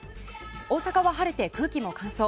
大阪は晴れて空気も乾燥。